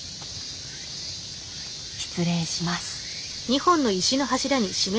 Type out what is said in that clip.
失礼します。